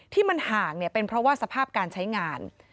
ที่มันห่างเป็นเพราะว่าสภาพการใช้งาน